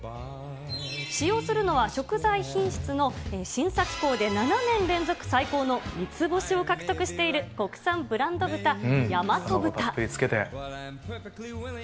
使用するのは、食材品質の審査機構で７年連続最高の三ツ星を獲得している国産ブランド豚、やまと豚。